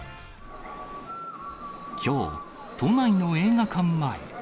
きょう、都内の映画館前。